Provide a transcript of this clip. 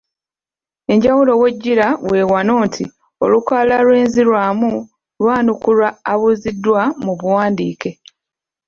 Enjawulo w’ejjira we wano nti olukalala lw’enzirwamu lwanukulwa abuuzibwa mu buwandiike.